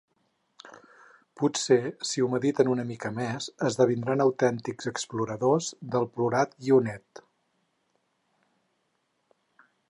Potser si ho mediten una mica més esdevindran autèntics exploradors del plorat guionet.